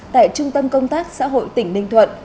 tại trung tâm công tác xã hội tỉnh ninh thuận